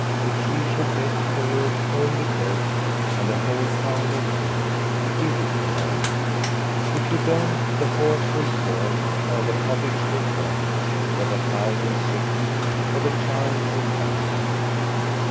If she should beg for your only goat and a whole pound of wool, give it to her ; if you don't the horse will fall, or the cottage will burn, or the cow will sicken, or the child will die.